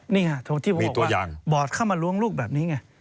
นี่ค่ะที่ผมบอกว่าบอดเข้ามาล้วงลูกแบบนี้ไง